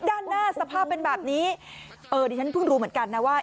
ด้านหน้าสภาพเป็นแบบนี้เออดิฉันเพิ่งรู้เหมือนกันนะว่า